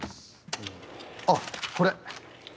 あっこれ。